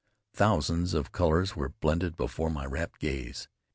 Thousands of colors were blended before my rapt gaze.